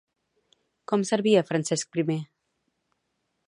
Com servia Francesc I?